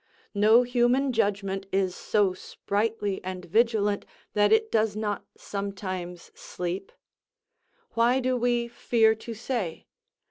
No human judgment is so sprightly and vigilant that it does not sometimes sleep. Why do we fear to say?